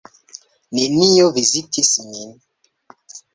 Neniu vizitis min.